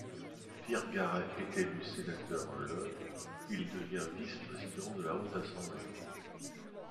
Pierre Garet est élu sénateur le ; il devient vice-président de la haute assemblée.